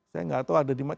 saya nggak tahu ada di mana